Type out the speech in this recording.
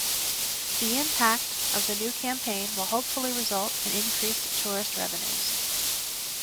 The impact of the new campaign will hopefully result in increased tourist revenues.